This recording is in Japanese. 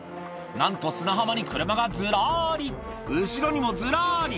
なんと砂浜に車がずらーり、後ろにもずらーり。